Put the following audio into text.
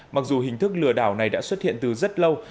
mặc dù hình thức lừa đảo này đã xuất hiện từ rất lâu